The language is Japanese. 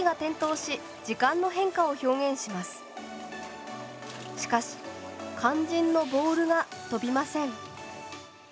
しかし肝心のボールが飛びません。